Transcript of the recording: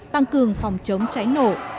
tăng cường phòng chống cháy nổ